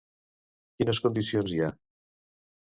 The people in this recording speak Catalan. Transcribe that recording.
Quines condicions hi ha?